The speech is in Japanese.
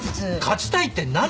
勝ちたいって何に？